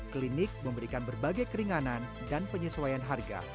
klinik memberikan berbagai keringanan dan penyesuaian harga